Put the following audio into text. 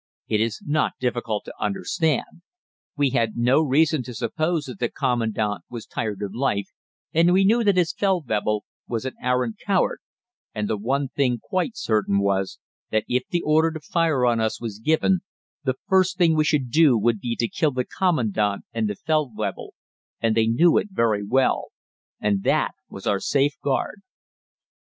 It is not difficult to understand. We had no reason to suppose that the Commandant was tired of life, and we knew that his Feldwebel was an arrant coward; and the one thing quite certain was, that if the order to fire on us was given, the first thing we should do would be to kill the Commandant and the Feldwebel, and they knew it very well and that was our safeguard.